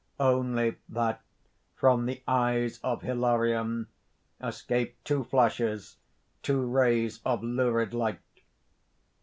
_ _Only, that from the eyes of Hilarion escape two flashes, two rays of lurid light.